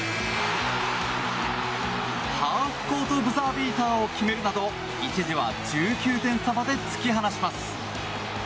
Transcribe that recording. ハーフコートブザービーターを決めるなど一時は１９点差まで突き放します。